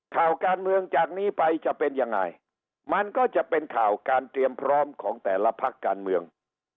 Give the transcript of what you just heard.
ข่าวการเมืองจากนี้ไปจะเป็นยังไงมันก็จะเป็นข่าวการเตรียมพร้อมของแต่ละพักการเมือง